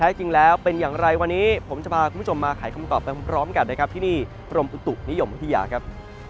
จริงแล้วเป็นอย่างไรวันนี้ผมจะพาคุณผู้ชมมาขายคำตอบไปพร้อมกันนะครับที่นี่กรมอุตุนิยมวิทยาครับ